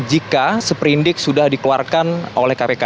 jika seperindik sudah dikeluarkan oleh kpk